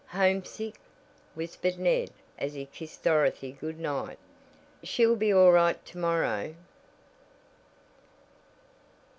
"Homesick!" whispered Ned as he kissed Dorothy good night. "She'll be all right to morrow."